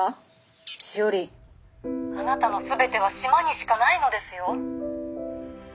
しおりあなたの全ては島にしかないのですよ。